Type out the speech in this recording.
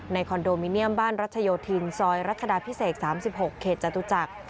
คอนโดมิเนียมบ้านรัชโยธินซอยรัชดาพิเศษ๓๖เขตจตุจักร